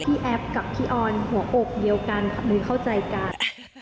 แอฟกับพี่ออนหัวอกเดียวกันค่ะหรือเข้าใจกัน